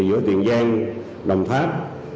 giữa tiền giang đồng tháp